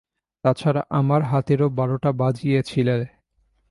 তাছাড়া আমার হাতেরও বারোটা বাজিয়েছিলে।